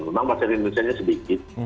memang masyarakat indonesia sedikit